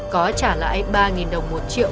có trả lại ba đồng một triệu